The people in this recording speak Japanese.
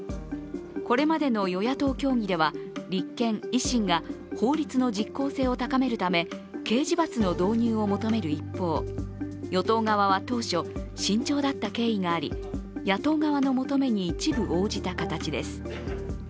これまでの与野党協議では立憲、維新が法律の実効性を高めるため刑事罰の導入を求める一方、与党側は当初、慎重だった経緯があり、野党側の求めに一部応じた形です。